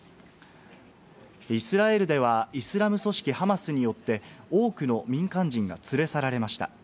イスラエルでは、イスラム組織・ハマスによって多くの民間人が連れ去られました。